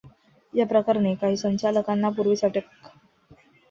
या प्रकरणी काही संचालकांना पूर्वीच अटक.